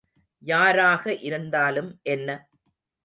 யாராக இருந்தாலும் என்ன?